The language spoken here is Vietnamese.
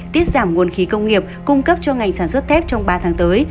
tiết giảm nguồn khí công nghiệp cung cấp cho ngành sản xuất thép trong ba tháng tới